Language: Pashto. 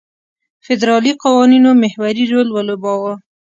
فدرالي قوانینو محوري رول ولوباوه.